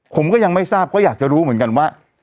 ผมก็ยังไม่ทราบก็อยากจะรู้เหมือนกันว่า